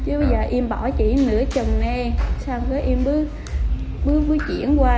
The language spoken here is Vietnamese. em bỏ chị nửa trần nè xong rồi em bước bước bước chuyển qua